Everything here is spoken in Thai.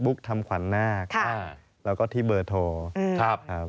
โป๊บบุคทำผวนหน้าแล้วก็ที่เบอร์โทค์